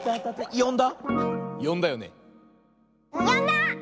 よんだ？